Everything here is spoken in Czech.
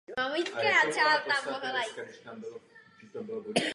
V současnosti je most turistickou atrakcí.